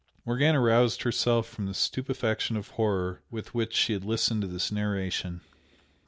Morgana roused herself from the stupefaction of horror with which she had listened to this narration.